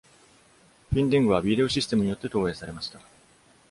フィンディングはビデオシステムによって投映されました。